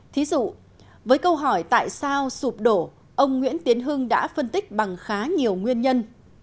thí dụ với câu hỏi tại sao sụp đổ ông nguyễn tiến hưng đã phân tích bằng khá nhiều nguyên nhân